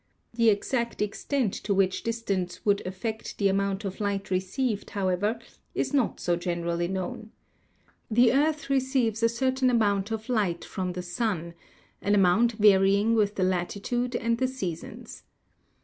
The exact extent to which distance would affect the amount of light received, however, is not so generally known. The earth receives a certain amount of light from the sun, an amount varying with the latitude and the seasons.